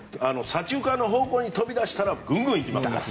左中間のほうに飛びだしたらぐんぐんいきますから。